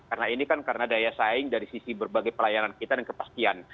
karena ini kan karena daya saing dari sisi berbagai pelayanan kita dan kepastian